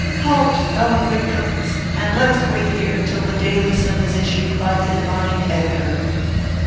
Halt, fellow wictims, and let us wait here until the daily sun is issued by the divine editor."